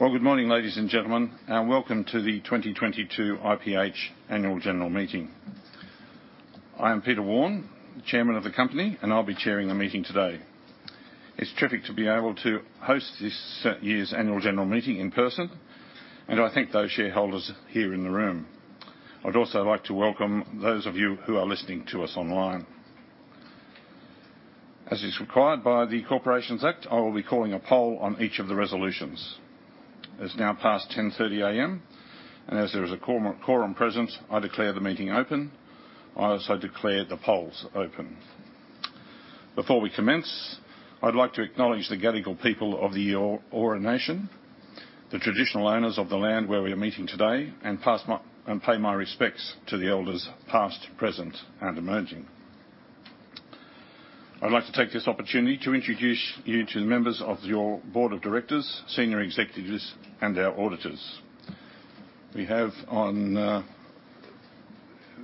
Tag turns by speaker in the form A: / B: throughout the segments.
A: Well, good morning, ladies and gentlemen, and welcome to the 2022 IPH Annual General Meeting. I am Peter Warne, Chairman of the company, and I'll be chairing the meeting today. It's terrific to be able to host this year's annual general meeting in person, and I thank those shareholders here in the room. I'd also like to welcome those of you who are listening to us online. As is required by the Corporations Act, I will be calling a poll on each of the resolutions. It's now past 10:30 A.M., and as there is a quorum present, I declare the meeting open. I also declare the polls open. Before we commence, I'd like to acknowledge the Gadigal people of the Eora Nation, the traditional owners of the land where we are meeting today, and pay my respects to the elders past, present, and emerging. I'd like to take this opportunity to introduce you to the members of your board of directors, senior executives, and our auditors. We have on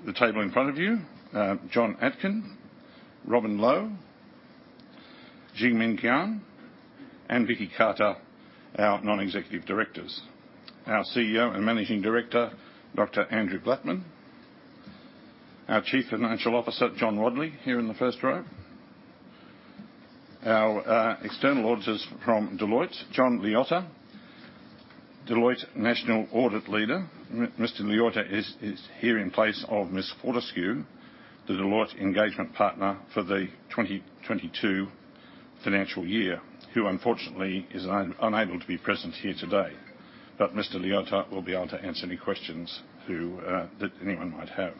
A: the table in front of you John Atkin, Robyn Lowe, Jingmin Qian, and Vicki Carter, our non-executive directors. Our CEO and Managing Director, Dr. Andrew Blattman. Our Chief Financial Officer, John Wadley, here in the first row. Our external auditors from Deloitte, John Leotta, Deloitte National Audit Leader. Mr. Leotta is here in place of Ms.Antonia Fort, the Deloitte Engagement Partner for the 2022 financial year, who unfortunately is unable to be present here today. Mr. Leotta will be able to answer any questions that anyone might have.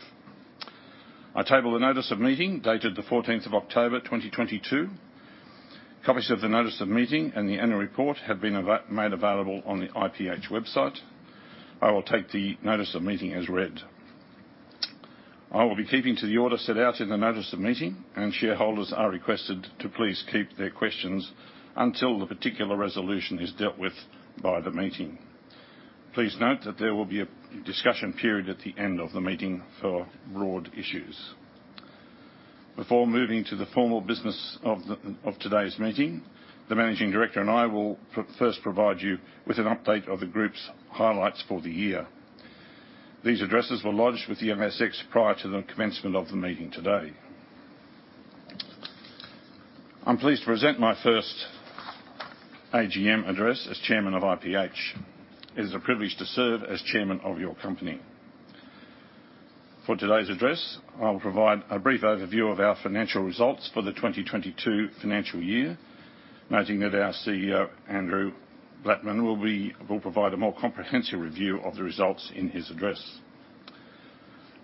A: I table the notice of meeting, dated the 14th of October, 2022. Copies of the notice of meeting and the annual report have been made available on the IPH website. I will take the notice of meeting as read. I will be keeping to the order set out in the notice of meeting, and shareholders are requested to please keep their questions until the particular resolution is dealt with by the meeting. Please note that there will be a discussion period at the end of the meeting for broad issues. Before moving to the formal business of today's meeting, the managing director and I will first provide you with an update of the group's highlights for the year. These addresses were lodged with the ASX prior to the commencement of the meeting today. I'm pleased to present my first AGM address as Chairman of IPH. It is a privilege to serve as chairman of your company. For today's address, I will provide a brief overview of our financial results for the 2022 financial year, noting that our CEO, Andrew Blattman, will provide a more comprehensive review of the results in his address.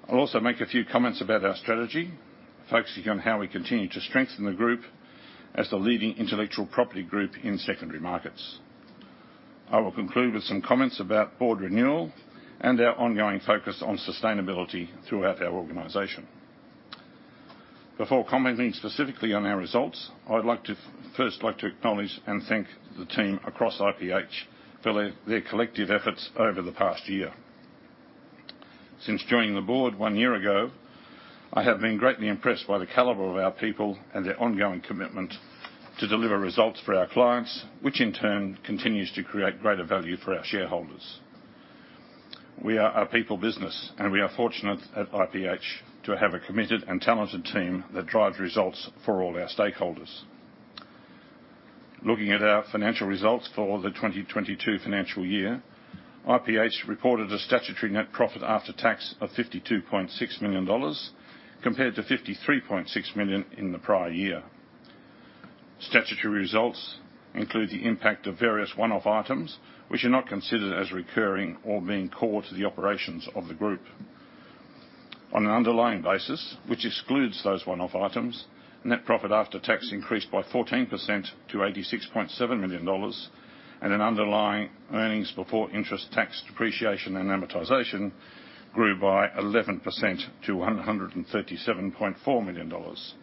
A: I'll also make a few comments about our strategy, focusing on how we continue to strengthen the group as the leading intellectual property group in secondary markets. I will conclude with some comments about board renewal and our ongoing focus on sustainability throughout our organization. Before commenting specifically on our results, I would like to first acknowledge and thank the team across IPH for their collective efforts over the past year. Since joining the board one year ago, I have been greatly impressed by the caliber of our people and their ongoing commitment to deliver results for our clients, which in turn continues to create greater value for our shareholders. We are a people business, and we are fortunate at IPH to have a committed and talented team that drives results for all our stakeholders. Looking at our financial results for the 2022 financial year, IPH reported a statutory net profit after tax of 52.6 million dollars compared to 53.6 million in the prior year. Statutory results include the impact of various one-off items which are not considered as recurring or being core to the operations of the group. On an underlying basis, which excludes those one-off items, net profit after tax increased by 14% to 86.7 million dollars and an underlying earnings before interest, tax, depreciation, and amortization grew by 11% to 137.4 million dollars.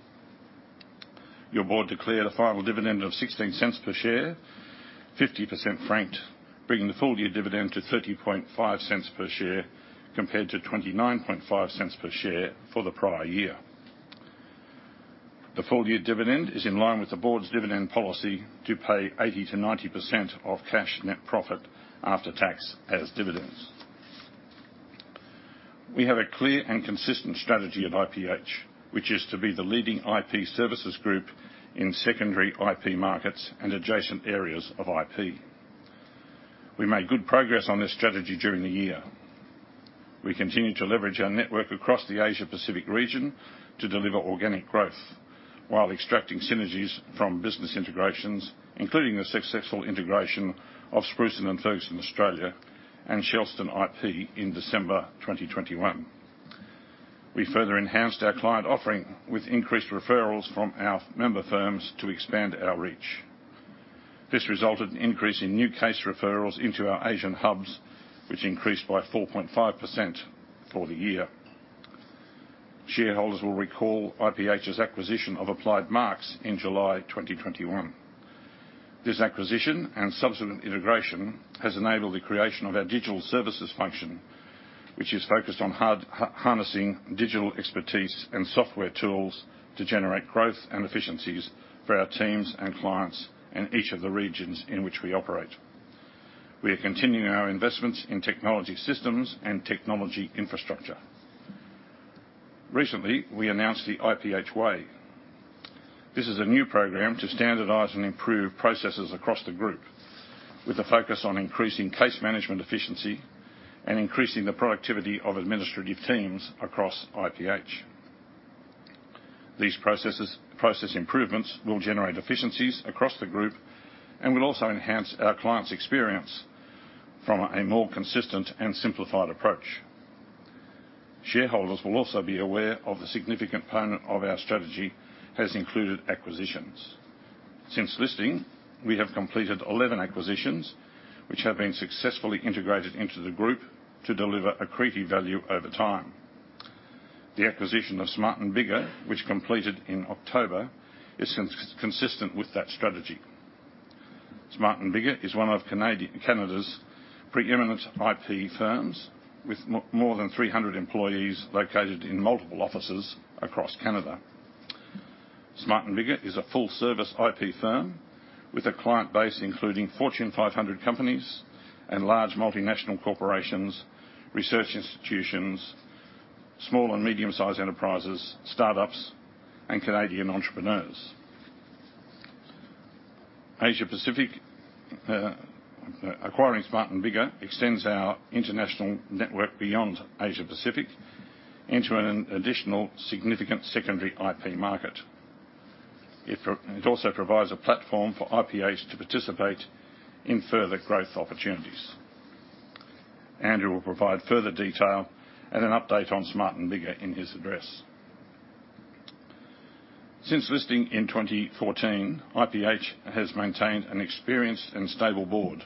A: Your board declared a final dividend of 0.16 per share, 50% franked, bringing the full year dividend to 0.305 per share compared to 0.295 per share for the prior year. The full year dividend is in line with the board's dividend policy to pay 80%-90% of cash net profit after tax as dividends. We have a clear and consistent strategy at IPH, which is to be the leading IP services group in secondary IP markets and adjacent areas of IP. We made good progress on this strategy during the year. We continue to leverage our network across the Asia Pacific region to deliver organic growth while extracting synergies from business integrations, including the successful integration of Spruson & Ferguson Australia and Shelston IP in December 2021. We further enhanced our client offering with increased referrals from our member firms to expand our reach. This resulted in increase in new case referrals into our Asian hubs, which increased by 4.5% for the year. Shareholders will recall IPH's acquisition of Applied Marks in July 2021. This acquisition and subsequent integration has enabled the creation of our digital services function which is focused on harnessing digital expertise and software tools to generate growth and efficiencies for our teams and clients in each of the regions in which we operate. We are continuing our investments in technology systems and technology infrastructure. Recently, we announced the IPH Way. This is a new program to standardize and improve processes across the group, with a focus on increasing case management efficiency and increasing the productivity of administrative teams across IPH. These process improvements will generate efficiencies across the group and will also enhance our clients' experience from a more consistent and simplified approach. Shareholders will also be aware of the significant component of our strategy has included acquisitions. Since listing, we have completed 11 acquisitions, which have been successfully integrated into the group to deliver accretive value over time. The acquisition of Smart & Biggar, which completed in October, is consistent with that strategy. Smart & Biggar is one of Canada's preeminent IP firms with more than 300 employees located in multiple offices across Canada. Smart & Biggar is a full-service IP firm with a client base including Fortune 500 companies and large multinational corporations, research institutions, small and medium-sized enterprises, startups, and Canadian entrepreneurs. Asia Pacific, acquiring Smart & Biggar extends our international network beyond Asia Pacific into an additional significant secondary IP market. It also provides a platform for IPH to participate in further growth opportunities. Andrew will provide further detail and an update on Smart & Biggar in his address. Since listing in 2014, IPH has maintained an experienced and stable board,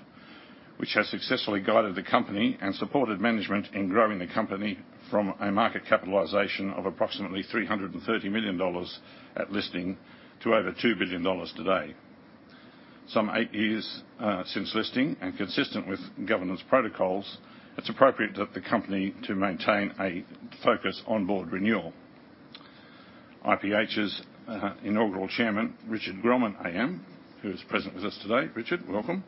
A: which has successfully guided the company and supported management in growing the company from a market capitalization of approximately 330 million dollars at listing to over 2 billion dollars today. Some 8 years since listing and consistent with governance protocols, it's appropriate that the company to maintain a focus on board renewal. IPH's inaugural chairman, Richard Grellman AM, who is present with us today, Richard, welcome,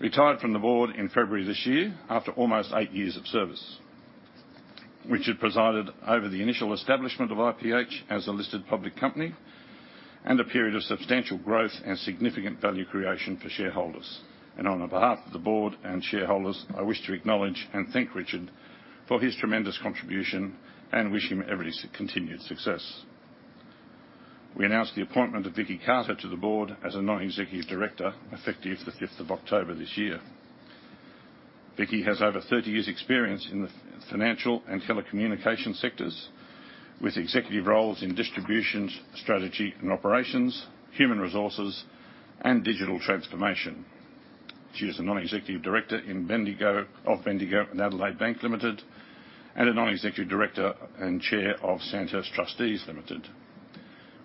A: retired from the board in February this year after almost eight years of service. Richard presided over the initial establishment of IPH as a listed public company and a period of substantial growth and significant value creation for shareholders. On behalf of the board and shareholders, I wish to acknowledge and thank Richard for his tremendous contribution and wish him every continued success. We announced the appointment of Vicki Carter to the board as a non-executive director, effective the fifth of October this year. Vicki has over 30 years' experience in the financial and telecommunication sectors, with executive roles in distributions, strategy and operations, human resources, and digital transformation. She is a non-executive director in Bendigo and Adelaide Bank Limited and a non-executive director and chair of Sandhurst Trustees Limited.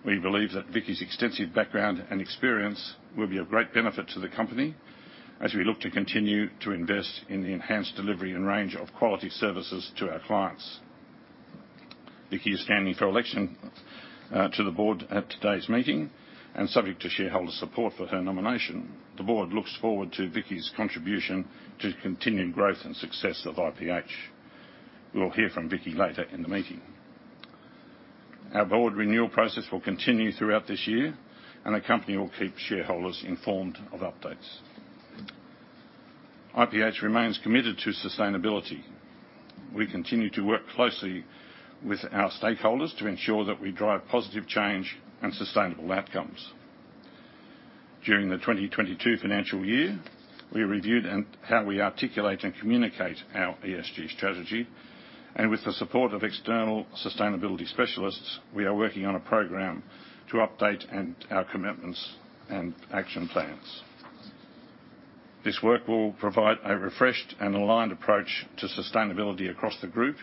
A: We believe that Vicki's extensive background and experience will be of great benefit to the company as we look to continue to invest in the enhanced delivery and range of quality services to our clients. Vicki is standing for election to the board at today's meeting, and subject to shareholder support for her nomination. The board looks forward to Vicki's contribution to continued growth and success of IPH. We will hear from Vicki later in the meeting. Our board renewal process will continue throughout this year, and the company will keep shareholders informed of updates. IPH remains committed to sustainability. We continue to work closely with our stakeholders to ensure that we drive positive change and sustainable outcomes. During the 2022 financial year, we reviewed how we articulate and communicate our ESG strategy, and with the support of external sustainability specialists, we are working on a program to update our commitments and action plans. This work will provide a refreshed and aligned approach to sustainability across the group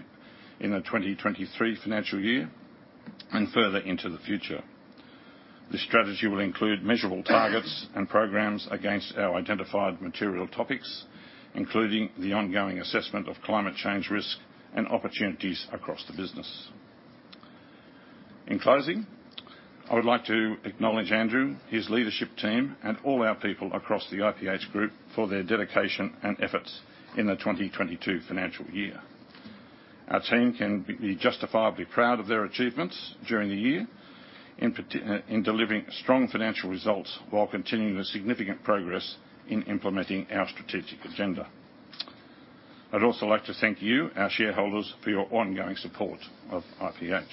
A: in the 2023 financial year and further into the future. This strategy will include measurable targets and programs against our identified material topics, including the ongoing assessment of climate change risk and opportunities across the business. In closing, I would like to acknowledge Andrew, his leadership team, and all our people across the IPH group for their dedication and efforts in the 2022 financial year. Our team can be justifiably proud of their achievements during the year in delivering strong financial results while continuing the significant progress in implementing our strategic agenda. I'd also like to thank you, our shareholders, for your ongoing support of IPH.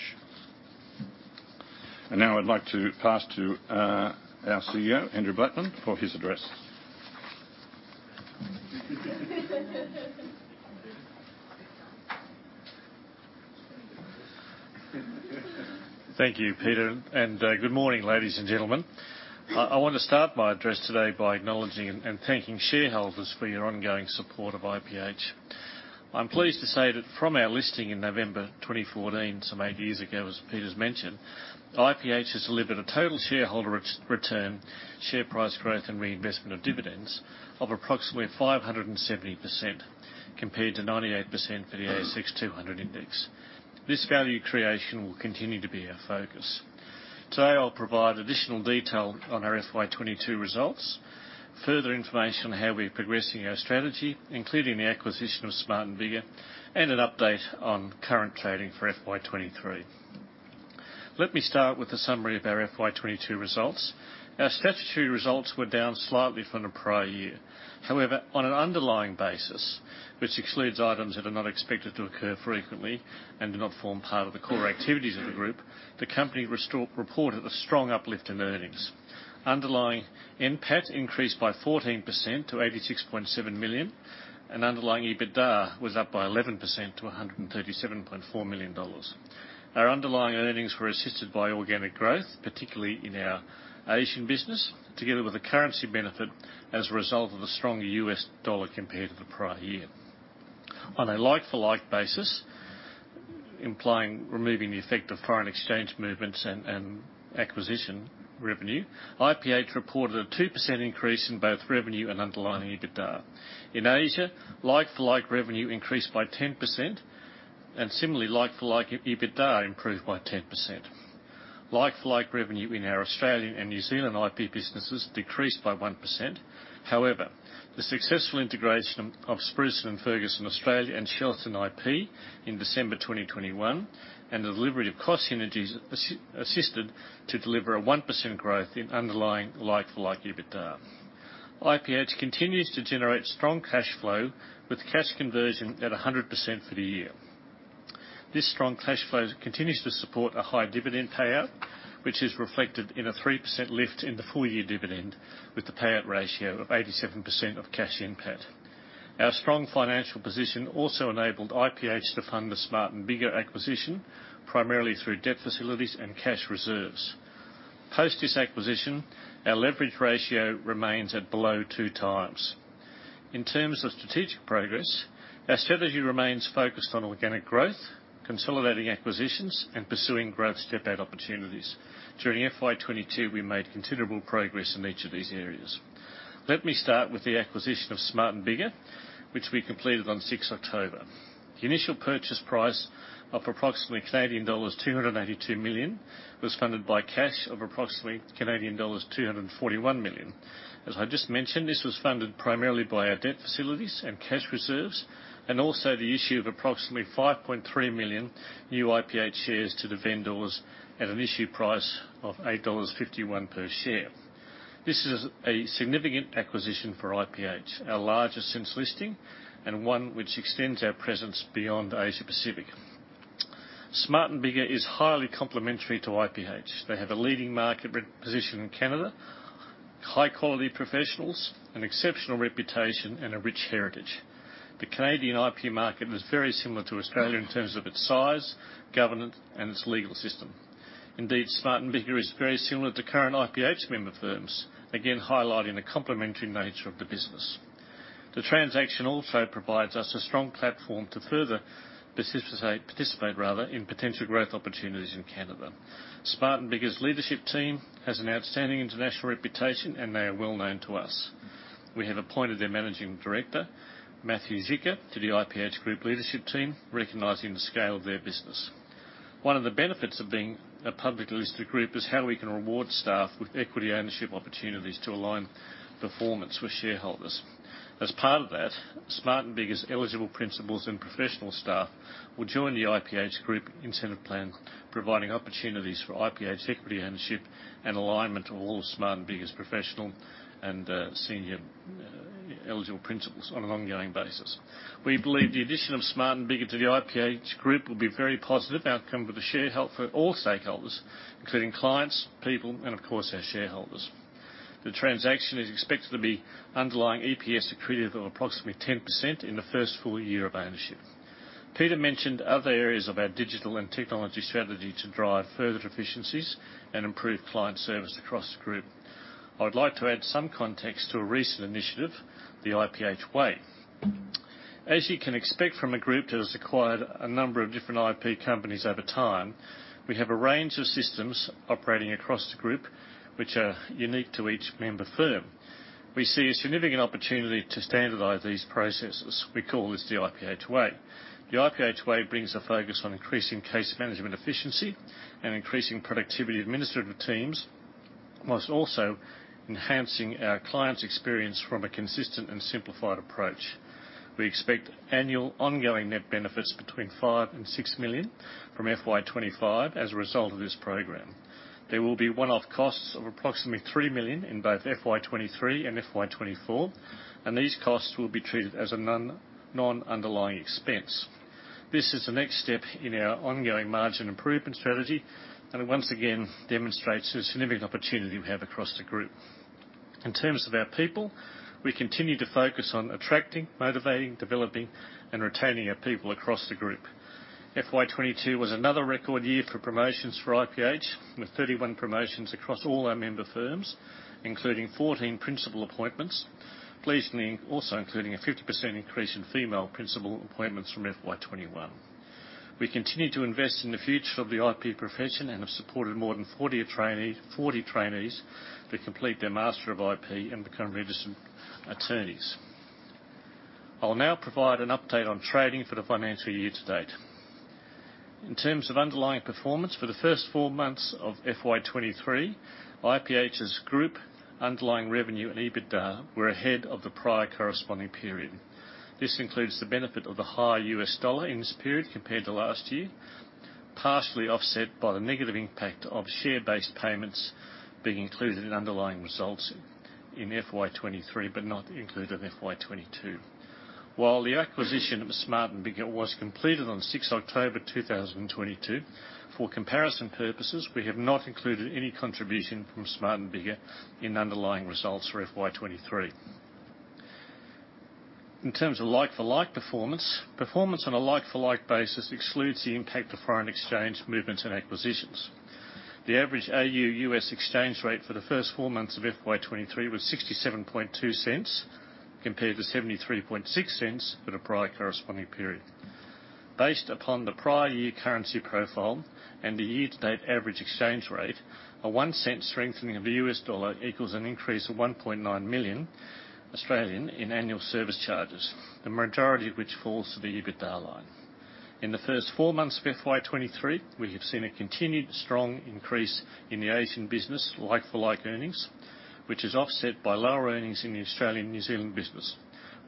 A: Now I'd like to pass to our CEO, Andrew Blattman, for his address.
B: Thank you, Peter, and good morning, ladies and gentlemen. I want to start my address today by acknowledging and thanking shareholders for your ongoing support of IPH. I'm pleased to say that from our listing in November 2014, some 8 years ago, as Peter's mentioned, IPH has delivered a total shareholder return, share price growth, and reinvestment of dividends of approximately 570%. Compared to 98% for the S&P/ASX 200 index. This value creation will continue to be our focus. Today, I'll provide additional detail on our FY 2022 results, further information on how we're progressing our strategy, including the acquisition of Smart & Biggar, and an update on current trading for FY 2023. Let me start with a summary of our FY 2022 results. Our statutory results were down slightly from the prior year. However, on an underlying basis, which excludes items that are not expected to occur frequently and do not form part of the core activities of the group, the company reported a strong uplift in earnings. Underlying NPAT increased by 14% to 86.7 million, and underlying EBITDA was up by 11% to 137.4 million dollars. Our underlying earnings were assisted by organic growth, particularly in our Asian business, together with a currency benefit as a result of the stronger US dollar compared to the prior year. On a like-for-like basis, implying removing the effect of foreign exchange movements and acquisition revenue, IPH reported a 2% increase in both revenue and underlying EBITDA. In Asia, like-for-like revenue increased by 10%, and similarly, like-for-like EBITDA improved by 10%. Like-for-like revenue in our Australian and New Zealand IP businesses decreased by 1%. However, the successful integration of Spruson & Ferguson Australia and Shelston IP in December 2021 and the delivery of cost synergies assisted to deliver a 1% growth in underlying like-for-like EBITDA. IPH continues to generate strong cash flow with cash conversion at 100% for the year. This strong cash flow continues to support a high dividend payout, which is reflected in a 3% lift in the full-year dividend, with a payout ratio of 87% of cash NPAT. Our strong financial position also enabled IPH to fund the Smart & Biggar acquisition, primarily through debt facilities and cash reserves. Post this acquisition, our leverage ratio remains at below 2x. In terms of strategic progress, our strategy remains focused on organic growth, consolidating acquisitions, and pursuing growth step-out opportunities. During FY 2022, we made considerable progress in each of these areas. Let me start with the acquisition of Smart & Biggar, which we completed on sixth October. The initial purchase price of approximately Canadian dollars 282 million was funded by cash of approximately Canadian dollars 241 million. As I just mentioned, this was funded primarily by our debt facilities and cash reserves and also the issue of approximately 5.3 million new IPH shares to the vendors at an issue price of 8.51 dollars per share. This is a significant acquisition for IPH, our largest since listing and one which extends our presence beyond Asia Pacific. Smart & Biggar is highly complementary to IPH. They have a leading market position in Canada, high-quality professionals, an exceptional reputation, and a rich heritage. The Canadian IP market is very similar to Australia in terms of its size, governance, and its legal system. Indeed, Smart & Biggar is very similar to current IPH member firms, again highlighting the complementary nature of the business. The transaction also provides us a strong platform to further participate rather in potential growth opportunities in Canada. Smart & Biggar's leadership team has an outstanding international reputation, and they are well-known to us. We have appointed their managing director, Matthew Zischka, to the IPH Group leadership team, recognizing the scale of their business. One of the benefits of being a publicly listed group is how we can reward staff with equity ownership opportunities to align performance with shareholders. As part of that, Smart & Biggar's eligible principals and professional staff will join the IPH Group incentive plan, providing opportunities for IPH equity ownership and alignment to all of Smart & Biggar's professional and senior eligible principals on an ongoing basis. We believe the addition of Smart & Biggar to the IPH group will be a very positive outcome for all stakeholders, including clients, people, and of course our shareholders. The transaction is expected to be underlying EPS accretive of approximately 10% in the first full year of ownership. Peter mentioned other areas of our digital and technology strategy to drive further efficiencies and improve client service across the group. I would like to add some context to a recent initiative, the IPH Way. As you can expect from a group that has acquired a number of different IP companies over time, we have a range of systems operating across the group which are unique to each member firm. We see a significant opportunity to standardize these processes. We call this the IPH Way. The IPH Way brings a focus on increasing case management efficiency and increasing productivity of administrative teams while also enhancing our clients' experience from a consistent and simplified approach. We expect annual ongoing net benefits between 5 million and 6 million from FY 2025 as a result of this program. There will be one-off costs of approximately 3 million in both FY 2023 and FY 2024, and these costs will be treated as a non-underlying expense. This is the next step in our ongoing margin improvement strategy, and it once again demonstrates the significant opportunity we have across the group. In terms of our people, we continue to focus on attracting, motivating, developing, and retaining our people across the group. FY 2022 was another record year for promotions for IPH, with 31 promotions across all our member firms, including 14 principal appointments, pleasingly also including a 50% increase in female principal appointments from FY 2021. We continue to invest in the future of the IP profession and have supported more than 40 trainees to complete their Master of IP and become registered attorneys. I'll now provide an update on trading for the financial year to date. In terms of underlying performance for the first 4 months of FY 2023, IPH's group underlying revenue and EBITDA were ahead of the prior corresponding period. This includes the benefit of the higher US dollar in this period compared to last year, partially offset by the negative impact of share-based payments being included in underlying results in FY 2023, but not included in FY 2022. While the acquisition of Smart & Biggar was completed on 6 October 2022, for comparison purposes, we have not included any contribution from Smart & Biggar in underlying results for FY 2023. In terms of like-for-like performance on a like-for-like basis excludes the impact of foreign exchange movements and acquisitions. The average AU/US exchange rate for the first four months of FY 2023 was 67.2 cents, compared to 73.6 cents for the prior corresponding period. Based upon the prior year currency profile and the year-to-date average exchange rate, a one-cent strengthening of the US dollar equals an increase of 1.9 million in annual service charges, the majority of which falls to the EBITDA line. In the first 4 months of FY 2023, we have seen a continued strong increase in the Asian business like-for-like earnings, which is offset by lower earnings in the Australia and New Zealand business,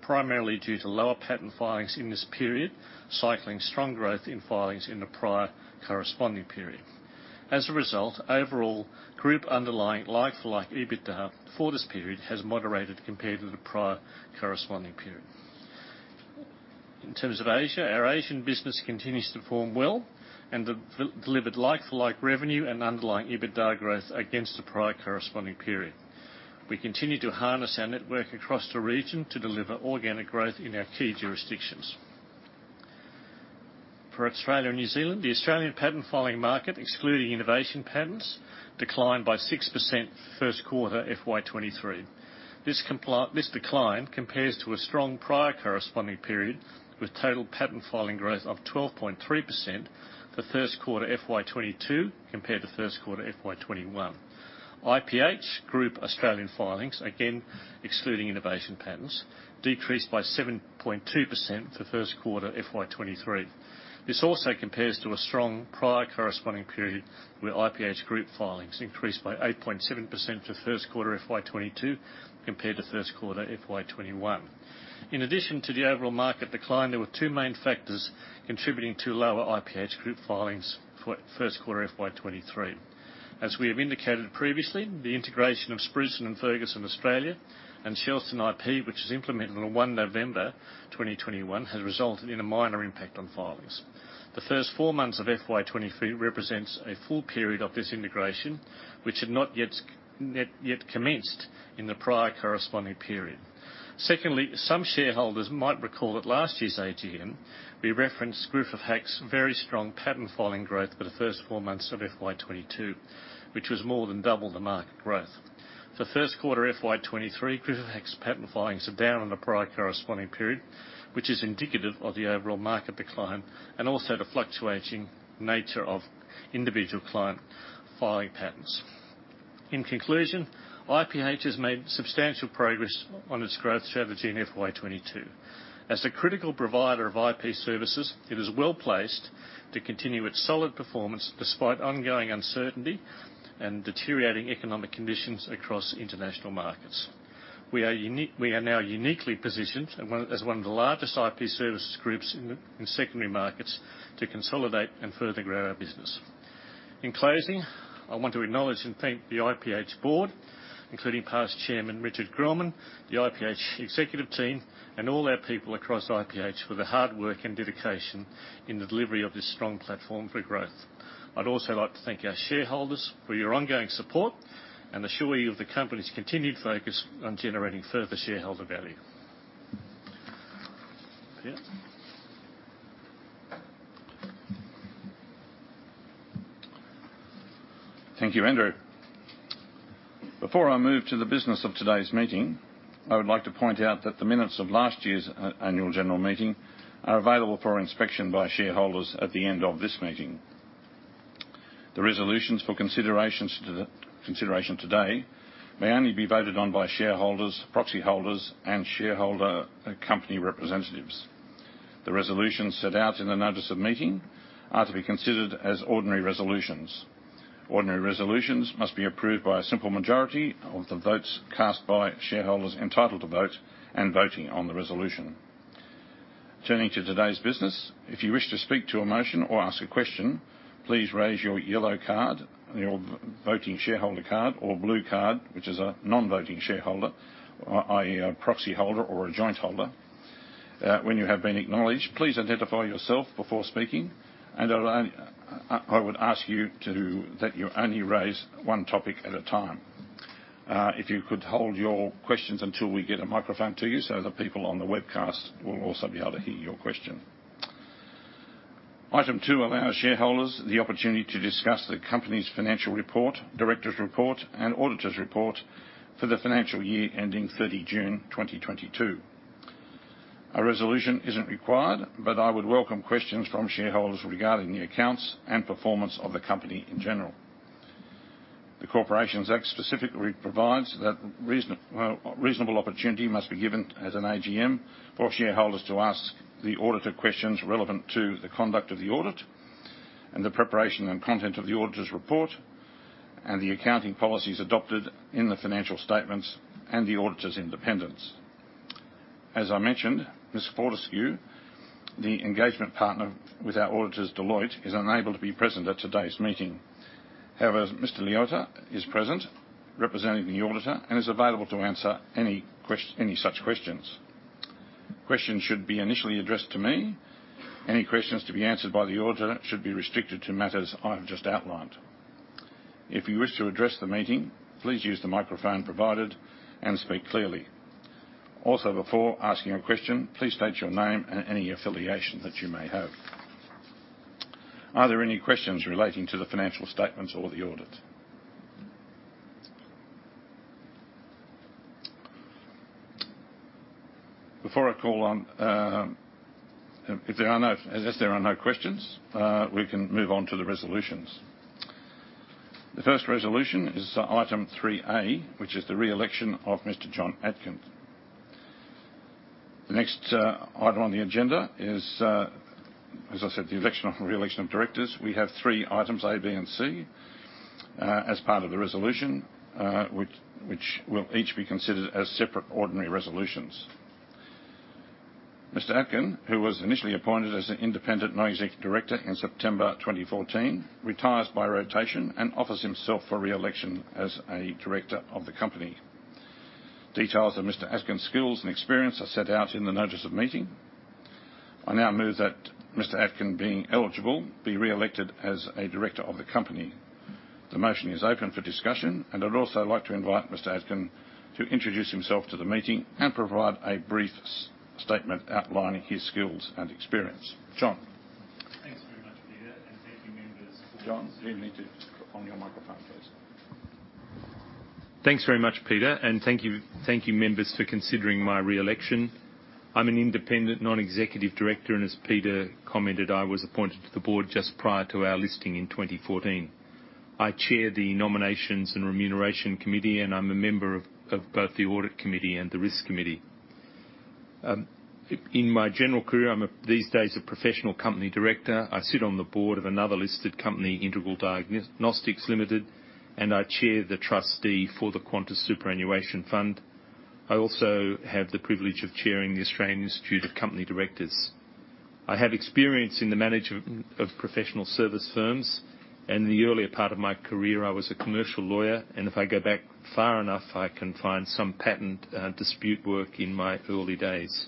B: primarily due to lower patent filings in this period, cycling strong growth in filings in the prior corresponding period. As a result, overall group underlying like-for-like EBITDA for this period has moderated compared to the prior corresponding period. In terms of Asia, our Asian business continues to perform well and have delivered like-for-like revenue and underlying EBITDA growth against the prior corresponding period. We continue to harness our network across the region to deliver organic growth in our key jurisdictions. For Australia and New Zealand, the Australian patent filing market, excluding innovation patents, declined by 6% first quarter FY 2023. This decline compares to a strong prior corresponding period with total patent filing growth of 12.3% first quarter FY 2022 compared to first quarter FY 2021. IPH group Australian filings, again, excluding innovation patents, decreased by 7.2% for first quarter FY 2023. This also compares to a strong prior corresponding period where IPH group filings increased by 8.7% for first quarter FY 2022 compared to first quarter FY 2021. In addition to the overall market decline, there were two main factors contributing to lower IPH group filings for first quarter FY 2023. As we have indicated previously, the integration of Spruson & Ferguson Australia and Shelston IP, which was implemented on 1 November 2021, has resulted in a minor impact on filings. The first four months of FY 2023 represent a full period of this integration, which had not yet commenced in the prior corresponding period. Secondly, some shareholders might recall at last year's AGM, we referenced Griffith Hack's very strong patent filing growth for the first four months of FY 2022, which was more than double the market growth. For first quarter FY 2023, Griffith Hack's patent filings are down on the prior corresponding period, which is indicative of the overall market decline and also the fluctuating nature of individual client filing patents. In conclusion, IPH has made substantial progress on its growth strategy in FY 2022. As a critical provider of IP services, it is well-placed to continue its solid performance despite ongoing uncertainty and deteriorating economic conditions across international markets. We are now uniquely positioned as one of the largest IP services groups in secondary markets to consolidate and further grow our business. In closing, I want to acknowledge and thank the IPH board, including past Chairman Richard Grellman, the IPH executive team, and all our people across IPH for their hard work and dedication in the delivery of this strong platform for growth. I'd also like to thank our shareholders for your ongoing support and assure you of the company's continued focus on generating further shareholder value. Peter?
A: Thank you, Andrew. Before I move to the business of today's meeting, I would like to point out that the minutes of last year's annual general meeting are available for inspection by shareholders at the end of this meeting. The resolutions for consideration today may only be voted on by shareholders, proxy holders, and shareholder, company representatives. The resolutions set out in the notice of meeting are to be considered as ordinary resolutions. Ordinary resolutions must be approved by a simple majority of the votes cast by shareholders entitled to vote and voting on the resolution. Turning to today's business, if you wish to speak to a motion or ask a question, please raise your yellow card, your voting shareholder card or blue card, which is a non-voting shareholder, i.e., a proxy holder or a joint holder. When you have been acknowledged, please identify yourself before speaking, and I would ask that you only raise one topic at a time. If you could hold your questions until we get a microphone to you, so the people on the webcast will also be able to hear your question. Item 2 allow shareholders the opportunity to discuss the company's financial report, director's report, and auditor's report for the financial year ending 30 June 2022. A resolution isn't required, but I would welcome questions from shareholders regarding the accounts and performance of the company in general. The Corporations Act specifically provides that reasonable opportunity must be given at an AGM for shareholders to ask the auditor questions relevant to the conduct of the audit and the preparation and content of the auditor's report and the accounting policies adopted in the financial statements and the auditor's independence. As I mentioned, Ms. Fortescue, the engagement partner with our auditors, Deloitte, is unable to be present at today's meeting. However, Mr. Leotta is present, representing the auditor and is available to answer any such questions. Questions should be initially addressed to me. Any questions to be answered by the auditor should be restricted to matters I have just outlined. If you wish to address the meeting, please use the microphone provided and speak clearly. Also, before asking a question, please state your name and any affiliation that you may have. Are there any questions relating to the financial statements or the audit? Before I call on. If there are no questions, we can move on to the resolutions. The first resolution is item three A, which is the re-election of Mr. John Atkin. The next item on the agenda is, as I said, the re-election of directors. We have three items, A, B, and C, as part of the resolution, which will each be considered as separate ordinary resolutions. Mr. Atkin, who was initially appointed as an independent non-executive director in September 2014, retires by rotation and offers himself for re-election as a director of the company. Details of Mr. Atkin's skills and experience are set out in the notice of meeting. I now move that Mr. Atkin, being eligible, be re-elected as a director of the company. The motion is open for discussion, and I'd also like to invite Mr. Atkin to introduce himself to the meeting and provide a brief statement outlining his skills and experience. John.
C: Thanks very much, Peter, and thank you, members.
A: John, you need to turn on your microphone, please.
C: Thanks very much, Peter, and thank you, members, for considering my re-election. I'm an independent non-executive director, and as Peter commented, I was appointed to the board just prior to our listing in 2014. I chair the Nominations and Remuneration Committee, and I'm a member of both the Audit Committee and the Risk Committee. In my general career, I'm these days a professional company director. I sit on the board of another listed company, Integral Diagnostics Limited, and I chair the trustee for the Qantas Superannuation Fund. I also have the privilege of chairing the Australian Institute of Company Directors. I have experience in the management of professional service firms. In the earlier part of my career, I was a commercial lawyer, and if I go back far enough, I can find some patent dispute work in my early days.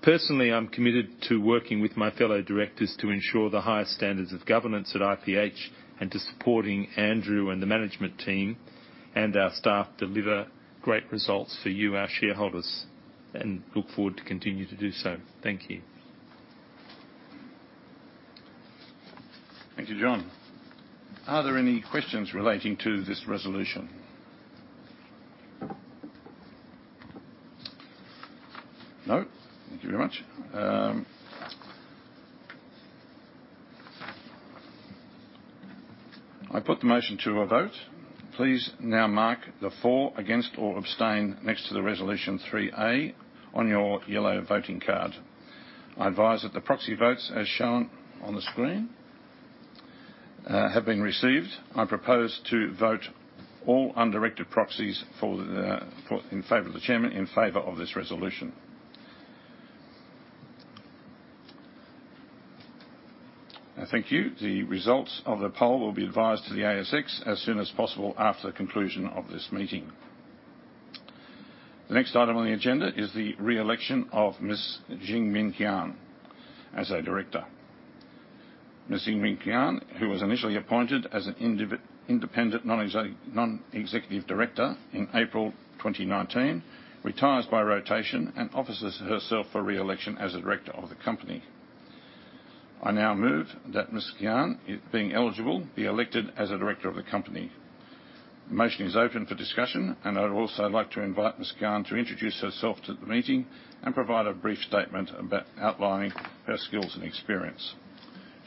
C: Personally, I'm committed to working with my fellow directors to ensure the highest standards of governance at IPH and to supporting Andrew and the management team and our staff deliver great results for you, our shareholders, and look forward to continue to do so. Thank you.
A: Thank you, John. Are there any questions relating to this resolution? No? Thank you very much. I put the motion to a vote. Please now mark the for, against, or abstain next to the resolution 3A on your yellow voting card. I advise that the proxy votes as shown on the screen have been received. I propose to vote all undirected proxies in favor of the chairman in favor of this resolution. I thank you. The results of the poll will be advised to the ASX as soon as possible after the conclusion of this meeting. The next item on the agenda is the re-election of Ms. Jingmin Qian as a director. Ms. Jingmin Qian, who was initially appointed as an independent non-executive director in April 2019, retires by rotation and offers herself for re-election as a director of the company. I now move that Ms. Qian, being eligible, be elected as a director of the company. The motion is open for discussion, and I'd also like to invite Ms. Qian to introduce herself to the meeting and provide a brief statement about outlining her skills and experience.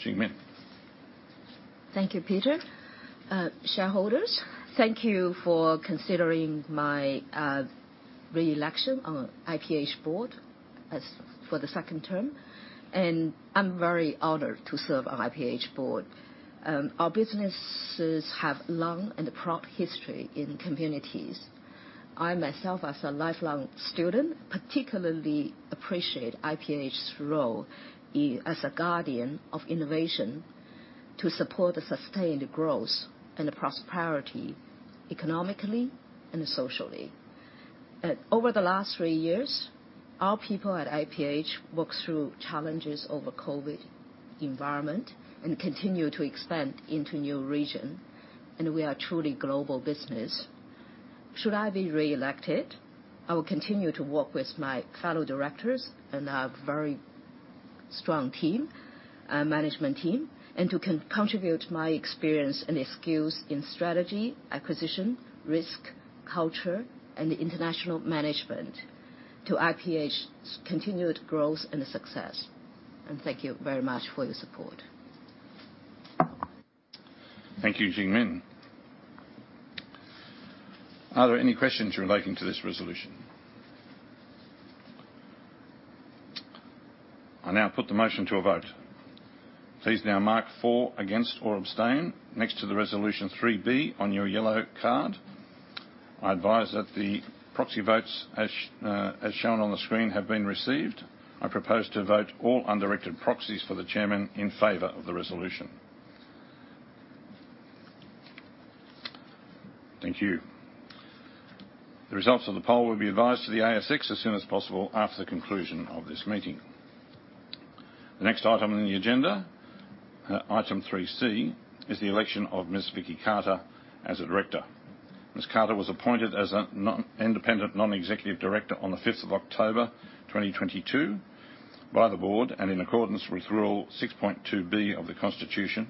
A: Jingmin.
D: Thank you, Peter. Shareholders, thank you for considering my re-election on IPH board as for the second term, and I'm very honored to serve on IPH board. Our businesses have long and proud history in communities. I, myself, as a lifelong student, particularly appreciate IPH's role as a guardian of innovation to support the sustained growth and prosperity, economically and socially. Over the last three years, our people at IPH walked through challenges over COVID environment and continue to expand into new region, and we are truly global business. Should I be re-elected, I will continue to work with my fellow directors and our very strong team, management team, and to contribute my experience and skills in strategy, acquisition, risk, culture, and international management to IPH's continued growth and success. Thank you very much for your support.
A: Thank you, Jingmin. Are there any questions relating to this resolution? I now put the motion to a vote. Please now mark for, against, or abstain next to the resolution 3B on your yellow card. I advise that the proxy votes as shown on the screen have been received. I propose to vote all undirected proxies for the chairman in favor of the resolution. Thank you. The results of the poll will be advised to the ASX as soon as possible after the conclusion of this meeting. The next item on the agenda, item 3C, is the election of Ms. Vicki Carter as a director. Ms. Carter was appointed as a non-independent, non-executive director on the fifth of October 2022 by the board and in accordance with rule 6.2 B of the constitution,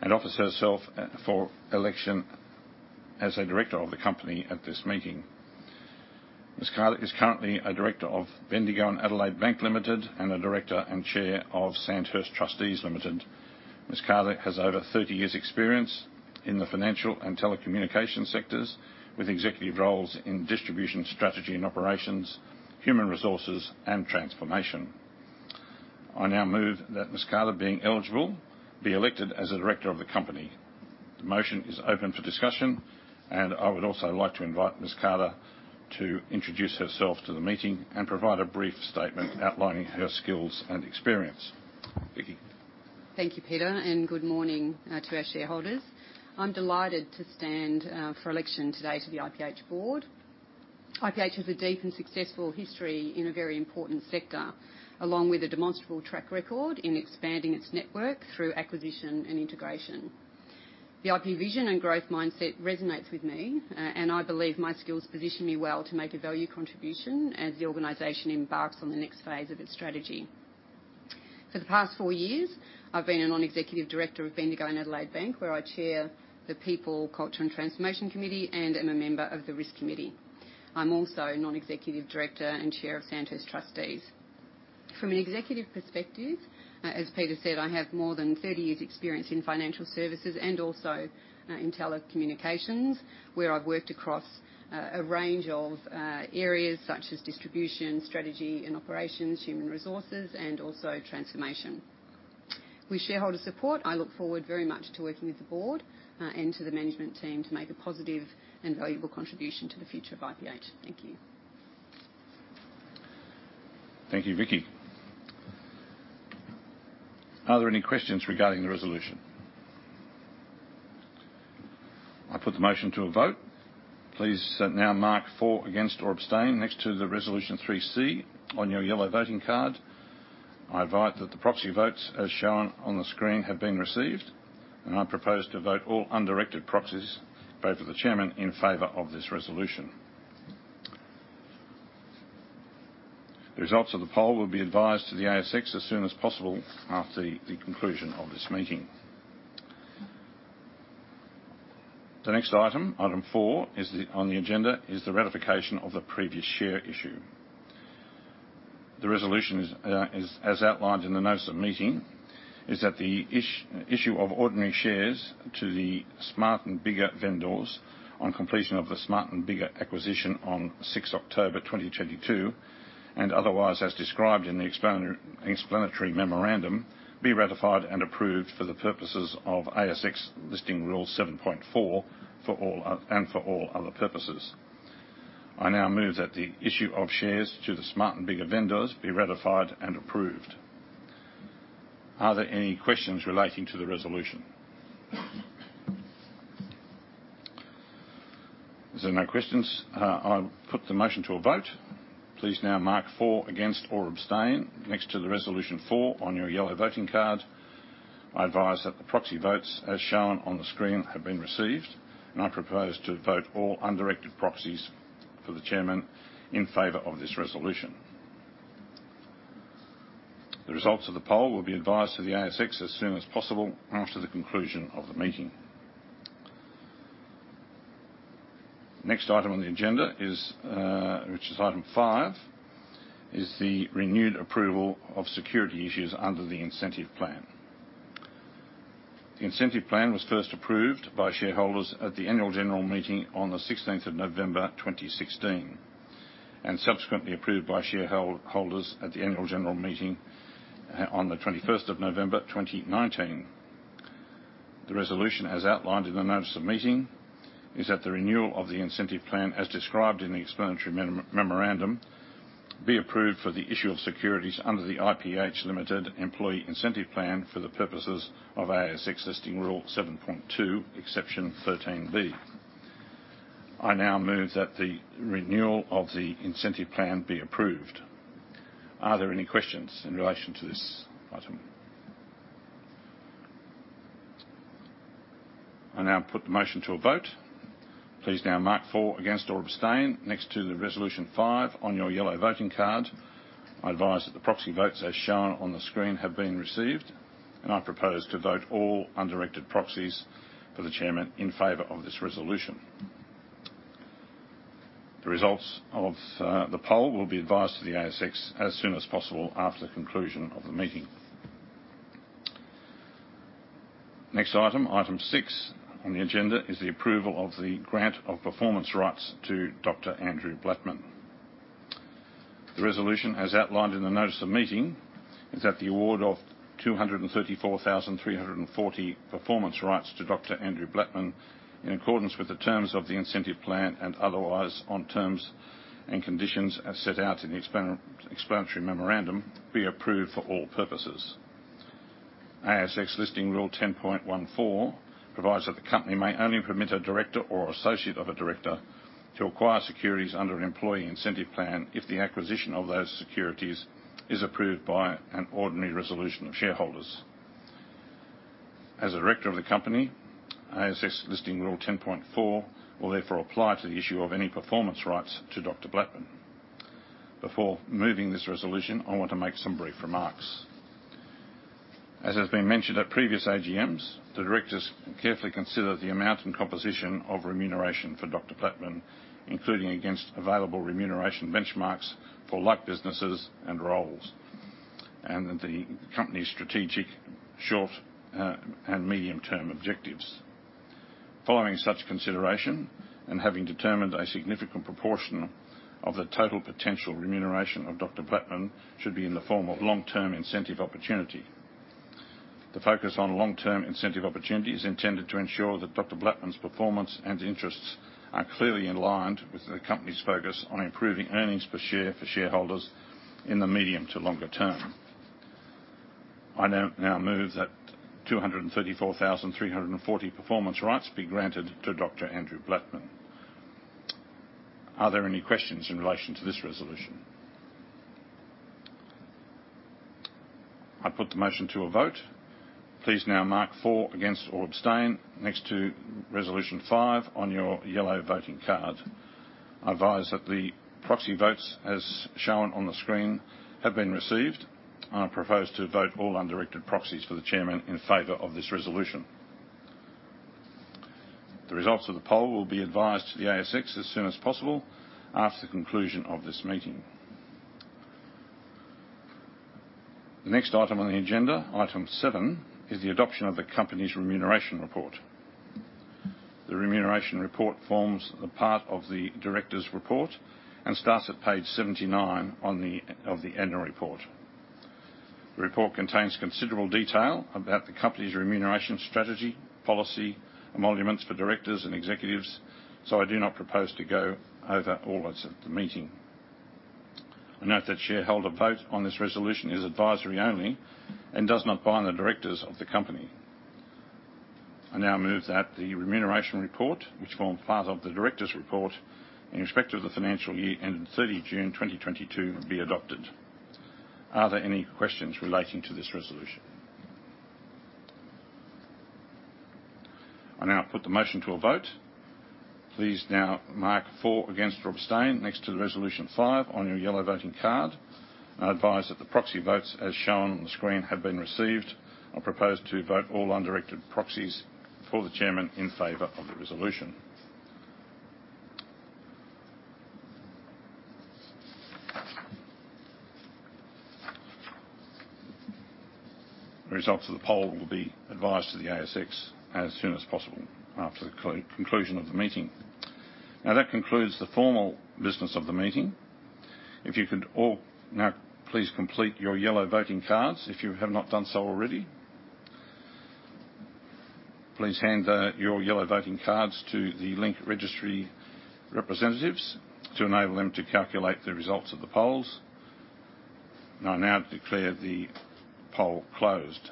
A: and offers herself for election as a director of the company at this meeting. Ms. Carter is currently a director of Bendigo and Adelaide Bank Limited and a director and chair of Sandhurst Trustees Limited. Ms. Carter has over 30 years' experience in the financial and telecommunication sectors, with executive roles in distribution, strategy and operations, human resources, and transformation. I now move that Ms. Carter, being eligible, be elected as a director of the company. The motion is open for discussion, and I would also like to invite Ms. Carter to introduce herself to the meeting and provide a brief statement outlining her skills and experience. Vicki.
E: Thank you, Peter, and good morning to our shareholders. I'm delighted to stand for election today to the IPH board. IPH has a deep and successful history in a very important sector, along with a demonstrable track record in expanding its network through acquisition and integration. The IPH vision and growth mindset resonates with me, and I believe my skills position me well to make a value contribution as the organization embarks on the next phase of its strategy. For the past four years, I've been a non-executive director of Bendigo and Adelaide Bank, where I chair the People, Culture and Transformation Committee and am a member of the Risk Committee. I'm also a non-executive director and chair of Sandhurst Trustees. From an executive perspective, as Peter said, I have more than 30 years' experience in financial services and also in telecommunications, where I've worked across a range of areas such as distribution, strategy and operations, human resources, and also transformation. With shareholder support, I look forward very much to working with the board and to the management team to make a positive and valuable contribution to the future of IPH. Thank you.
A: Thank you, Vicki. Are there any questions regarding the resolution? I put the motion to a vote. Please, now mark for, against, or abstain next to the resolution 3C on your yellow voting card. I advise that the proxy votes as shown on the screen have been received, and I propose to vote all undirected proxies voted for the chairman in favor of this resolution. The results of the poll will be advised to the ASX as soon as possible after the conclusion of this meeting. The next item 4, on the agenda, is the ratification of the previous share issue. The resolution is as outlined in the notice of meeting, is that the issue of ordinary shares to the Smart & Biggar vendors on completion of the Smart & Biggar acquisition on sixth October 2022, and otherwise as described in the explanatory memorandum, be ratified and approved for the purposes of ASX Listing Rule 7.4 and for all other purposes. I now move that the issue of shares to the Smart & Biggar vendors be ratified and approved. Are there any questions relating to the resolution? As there are no questions, I'll put the motion to a vote. Please now mark for, against, or abstain next to the resolution 4 on your yellow voting card. I advise that the proxy votes as shown on the screen have been received, and I propose to vote all undirected proxies for the chairman in favor of this resolution. The results of the poll will be advised to the ASX as soon as possible after the conclusion of the meeting. Next item on the agenda is, which is item five, is the renewed approval of security issues under the incentive plan. The incentive plan was first approved by shareholders at the annual general meeting on the 16th of November 2016 and subsequently approved by shareholders at the annual general meeting on the 21st of November 2019. The resolution, as outlined in the notice of meeting, is that the renewal of the incentive plan, as described in the explanatory memorandum, be approved for the issue of securities under the IPH Limited employee incentive plan for the purposes of ASX Listing Rule 7.2, exception 13. I now move that the renewal of the incentive plan be approved. Are there any questions in relation to this item? I now put the motion to a vote. Please now mark for, against, or abstain next to the resolution 5 on your yellow voting card. I advise that the proxy votes as shown on the screen have been received, and I propose to vote all undirected proxies for the chairman in favor of this resolution. The results of the poll will be advised to the ASX as soon as possible after the conclusion of the meeting. Next item six on the agenda, is the approval of the grant of performance rights to Dr. Andrew Blattman. The resolution, as outlined in the notice of meeting, is that the award of 234,340 performance rights to Dr. Andrew Blattman, in accordance with the terms of the incentive plan and otherwise on terms and conditions as set out in the explanatory memorandum, be approved for all purposes. ASX Listing Rule 10.14 provides that the company may only permit a director or associate of a director to acquire securities under an employee incentive plan if the acquisition of those securities is approved by an ordinary resolution of shareholders. As a director of the company, ASX Listing Rule 10.14 will therefore apply to the issue of any performance rights to Dr. Blattman. Before moving this resolution, I want to make some brief remarks. As has been mentioned at previous AGMs, the directors carefully consider the amount and composition of remuneration for Dr. Blattman, including against available remuneration benchmarks for like businesses and roles, and the company's strategic short, and medium-term objectives. Following such consideration, and having determined a significant proportion of the total potential remuneration of Dr. Blattman should be in the form of long-term incentive opportunity. The focus on long-term incentive opportunity is intended to ensure that Dr. Blattman's performance and interests are clearly in line with the company's focus on improving earnings per share for shareholders in the medium to longer term. I now move that 234,340 performance rights be granted to Dr. Andrew Blattman. Are there any questions in relation to this resolution? I put the motion to a vote. Please now mark for, against, or abstain next to resolution 5 on your yellow voting card. I advise that the proxy votes as shown on the screen have been received. I propose to vote all undirected proxies for the chairman in favor of this resolution. The results of the poll will be advised to the ASX as soon as possible after the conclusion of this meeting. The next item on the agenda, item 7, is the adoption of the company's remuneration report. The remuneration report forms a part of the directors' report and starts at page 79 of the annual report. The report contains considerable detail about the company's remuneration strategy, policy, emoluments for directors and executives, so I do not propose to go over all that at the meeting. I note that shareholder vote on this resolution is advisory only and does not bind the directors of the company. I now move that the remuneration report, which forms part of the directors' report, in respect of the financial year ending 30 June 2022, be adopted. Are there any questions relating to this resolution? I now put the motion to a vote. Please now mark for, against, or abstain next to resolution five on your yellow voting card. I advise that the proxy votes as shown on the screen have been received. I propose to vote all undirected proxies for the chairman in favor of the resolution. The results of the poll will be advised to the ASX as soon as possible after the conclusion of the meeting. Now, that concludes the formal business of the meeting. If you could all now please complete your yellow voting cards, if you have not done so already. Please hand out your yellow voting cards to the Link Market Services representatives to enable them to calculate the results of the polls. I now declare the poll closed.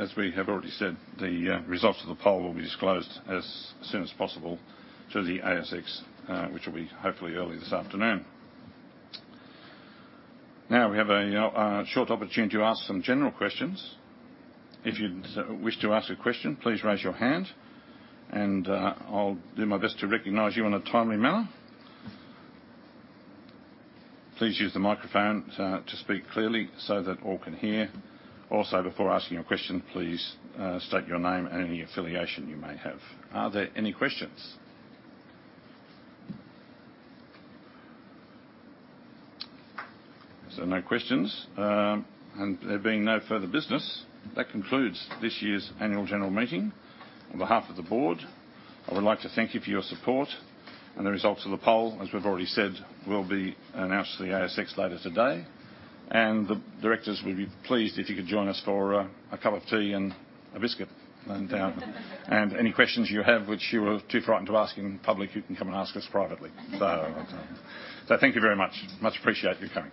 A: As we have already said, the results of the poll will be disclosed as soon as possible to the ASX, which will be hopefully early this afternoon. Now, we have a short opportunity to ask some general questions. If you wish to ask a question, please raise your hand and I'll do my best to recognize you in a timely manner. Please use the microphone to speak clearly so that all can hear. Also, before asking a question, please state your name and any affiliation you may have. Are there any questions? No questions. There being no further business, that concludes this year's annual general meeting. On behalf of the board, I would like to thank you for your support. The results of the poll, as we've already said, will be announced to the ASX later today. The directors will be pleased if you could join us for a cup of tea and a biscuit no doubt. Any questions you have which you were too frightened to ask in public, you can come and ask us privately. Thank you very much. Much appreciate you coming.